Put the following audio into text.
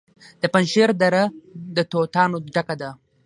د پنجشیر دره د توتانو ډکه ده.